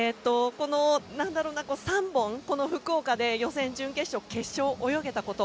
３本、この福岡で予選、準決勝、決勝を泳げたこと。